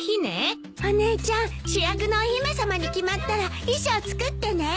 お姉ちゃん主役のお姫様に決まったら衣装作ってね。